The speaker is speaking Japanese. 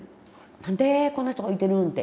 なんでこんな人おいでるんって。